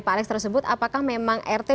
pak alex tersebut apakah memang rt